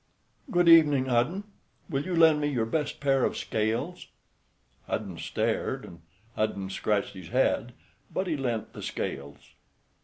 "Good evening, Hudden. Will you lend me your best pair of scales?" Hudden stared and Hudden scratched his head, but he lent the scales.